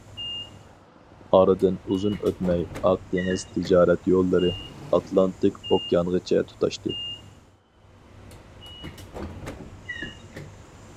ئارىدىن ئۇزۇن ئۆتمەي ئاق دېڭىز تىجارەت يوللىرى، ئاتلانتىك ئوكيانغىچە تۇتاشتى.